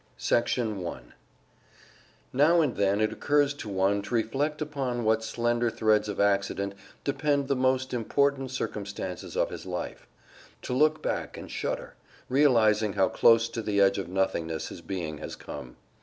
Section 1 Now and then it occurs to one to reflect upon what slender threads of accident depend the most important circumstances of his life; to look back and shudder, realizing how close to the edge of nothingness his being has come.